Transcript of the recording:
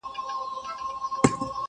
په دوکان یې عیال نه سو مړولای.!